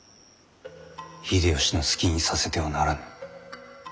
秀吉の好きにさせてはならぬ。